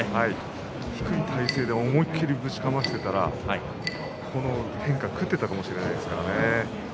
低い体勢で思い切りぶちかましていたららこの変化を食っていたかもしれません。